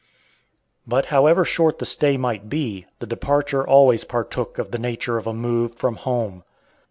But however short the stay might be, the departure always partook of the nature of a move from home.